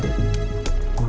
terima kasih pak chandra